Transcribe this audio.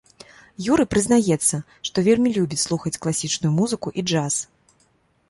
Юрый прызнаецца, што вельмі любіць слухаць класічную музыку і джаз.